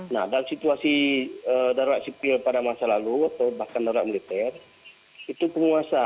nah dalam situasi darurat sipil pada masa lalu atau bahkan darurat militer itu penguasa